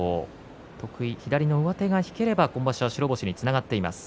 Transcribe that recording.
得意の左の上手が引ければ今場所は白星につながっています。